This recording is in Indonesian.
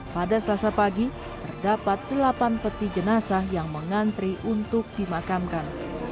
pada selasa pagi terdapat delapan peti jenazah yang mengantri untuk dimakamkan